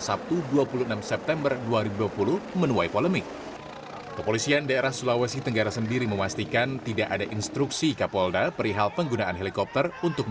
saya tidak tahu jelas itu juga kapolda juga tidak pernah menginginkan itu